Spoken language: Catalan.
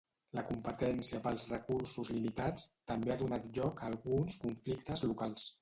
La competència pels recursos limitats també ha donat lloc a alguns conflictes locals.